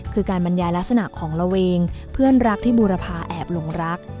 คือการบรรยายลักษณะของระเวงเพื่อนรักที่บูรพาแอบหลงรัก